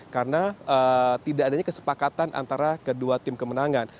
karena tidak adanya kesepakatan antara kedua tim kemenangan